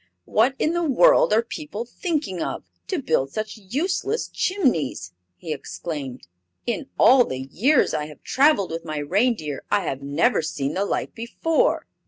"What in the world are people thinking of, to build such useless chimneys?" he exclaimed. "In all the years I have traveled with my reindeer I have never seen the like before."